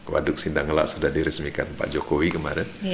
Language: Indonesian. waduk sindanggelak sudah diresmikan pak jokowi kemarin